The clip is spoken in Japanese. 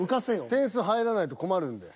点数入らないと困るんで。